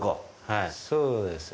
はい、そうです。